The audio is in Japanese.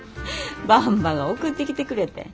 ばんばが送ってきてくれてん。